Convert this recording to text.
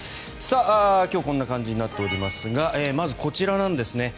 今日はこんな感じになっておりますがまず、こちらです。